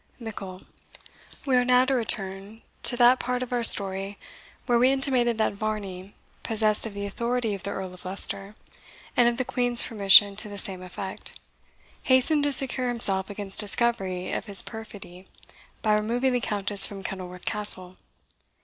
MICKLE. We are now to return to that part of our story where we intimated that Varney, possessed of the authority of the Earl of Leicester, and of the Queen's permission to the same effect, hastened to secure himself against discovery of his perfidy by removing the Countess from Kenilworth Castle.